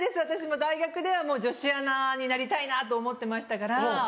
私も大学では女子アナになりたいなと思ってましたから。